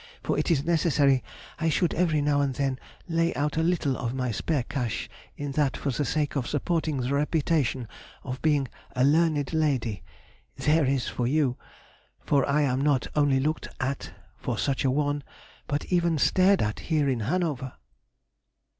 For it is necessary I should every now and then lay out a little of my spare cash in that for the sake of supporting the reputation of being a learned lady (there is for you!), for I am not only looked at for such a one, but even stared at here in Hanover!"